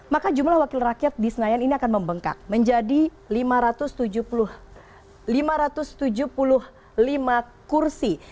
maka jumlah wakil rakyat di senayan ini akan membengkak menjadi lima ratus lima ratus tujuh puluh lima kursi